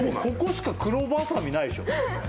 ここしかクロバサミないでしょ。